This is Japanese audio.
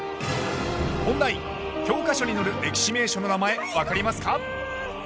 教科書に載る歴史名所の名前分かりますか？